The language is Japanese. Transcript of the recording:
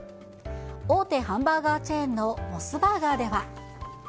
大手ハンバーガーチェーンのモスバーガーでは。